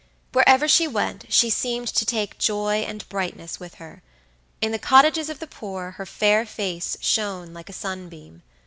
Wherever she went she seemed to take joy and brightness with her. In the cottages of the poor her fair face shone like a sunbeam.